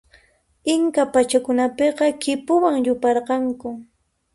Inca pachakunapiqa khipuwan yuparqanku.